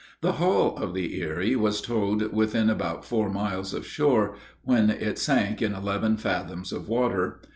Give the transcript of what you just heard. The hull of the Erie was towed within about four miles of shore, when it sank in eleven fathoms of water.